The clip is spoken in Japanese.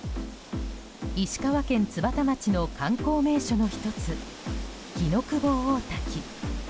石川県津幡町の観光名所の１つ木窪大滝。